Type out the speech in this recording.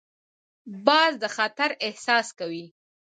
باز د خطر احساس کوي